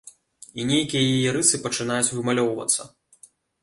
І нейкія яе рысы пачынаюць вымалёўвацца.